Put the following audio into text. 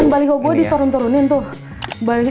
baliho gue diturun turunin tuh balik